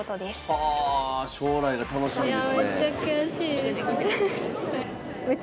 はあ将来が楽しみですねえ。